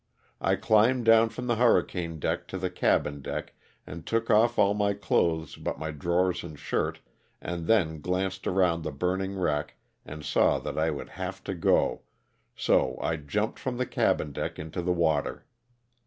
I climbed down from the hurricane deck to the cabin deck and took off all my clothes but my drawers and shirt, and then glanced around the burn ing wreck and saw that I would have to go, so I jumped from the cabin deck into the water.